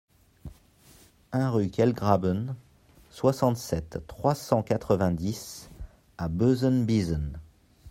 un rue Quellgraben, soixante-sept, trois cent quatre-vingt-dix à Bœsenbiesen